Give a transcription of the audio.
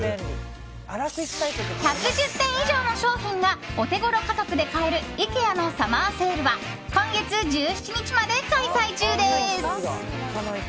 １１０点以上の商品がお手ごろ価格で買えるイケアのサマーセールは今月１７日まで開催中です。